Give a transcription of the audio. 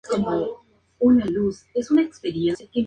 Flanqueaban la marcha los Alabarderos de la Guardia Real.